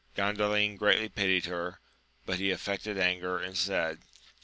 — Gandalin greatly pitied her, but he affected anger, and said.